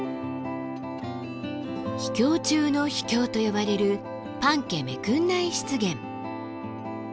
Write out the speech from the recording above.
秘境中の秘境と呼ばれるパンケメクンナイ湿原。